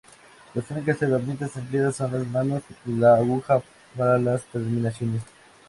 Las únicas herramientas empleadas son las manos y la aguja para las terminaciones.